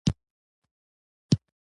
انا د ادب ښوونې نه ستړي کېږي